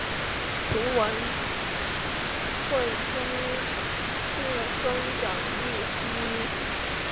硼烷衍生物双长叶烯基硼烷在有机合成中用作手性硼氢化试剂。